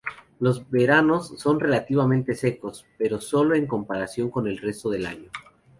Los veranos son relativamente secos, pero sólo en comparación con el resto del año.